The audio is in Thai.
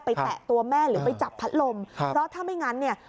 แตะตัวแม่หรือไปจับพัดลมเพราะถ้าไม่งั้นเนี่ย